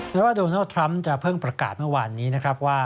ว่าโดนัลดทรัมป์จะเพิ่งประกาศเมื่อวานนี้นะครับว่า